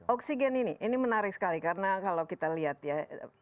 oksigen ini ini menarik sekali karena kalau kita lihat ya